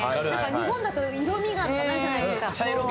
日本だと色味がとかなるじゃないですか。